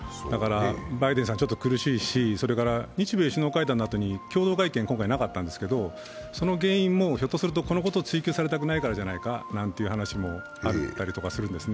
バイデンさん、ちょっと苦しいし、日米首脳会談のあとに共同会見が今回なかったんですけどその原因もこのことを追及されたくないからじゃないかということもあるんですね。